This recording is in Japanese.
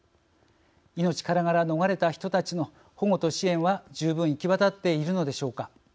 命からがら逃れた人たちの保護と支援は十分行き渡っているのでしょうか。